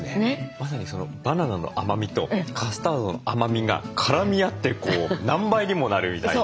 まさにそのバナナの甘みとカスタードの甘みが絡み合って何倍にもなるみたいな。